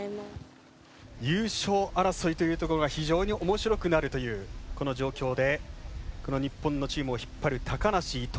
優勝争いというところが非常におもしろくなるというこの状況でこの日本のチームを引っ張る高梨、伊藤。